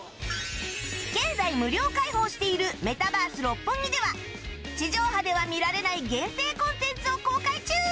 現在無料開放しているメタバース六本木では地上波では見られない限定コンテンツを公開中